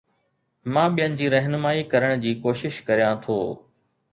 مان ٻين جي رهنمائي ڪرڻ جي ڪوشش ڪريان ٿو